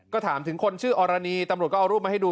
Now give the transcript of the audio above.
ก็ถามถึงคนชื่ออรณีตำรวจก็เอารูปมาให้ดู